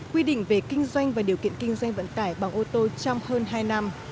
quy định về kinh doanh và điều kiện kinh doanh vận tải bằng ô tô trong hơn hai năm